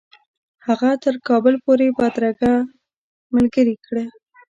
هغه تر کابل پوري بدرګه ملګرې کړي.